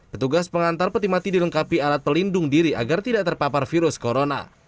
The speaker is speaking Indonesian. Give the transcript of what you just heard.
petugas pengantar peti mati dilengkapi alat pelindung diri agar tidak terpapar virus corona